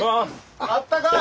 あったかい。